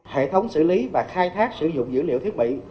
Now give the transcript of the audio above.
hệ thống xử lý và khai thác sử dụng dữ liệu thiết bị